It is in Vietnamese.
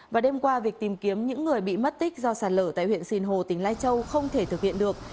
và đêm qua việc tìm kiếm những người bị mất tích do sạt lở tại huyện sìn hồ tỉnh lai châu không thể thực hiện được